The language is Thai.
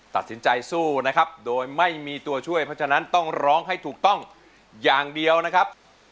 ตัดสินใจสู้นะครับโดยไม่มีตัวช่วยเพราะฉะนั้นต้องร้องให้ถูกต้องอย่างเดียวนะครับ